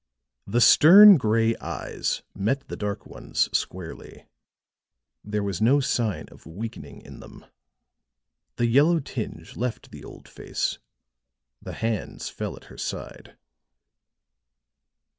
The stern gray eyes met the dark ones squarely. There was no sign of weakening in them; the yellow tinge left the old face; the hands fell at her side.